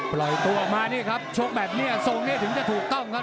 ปล่อยตัวออกมานี่ครับชกแบบนี้ทรงนี้ถึงจะถูกต้องครับ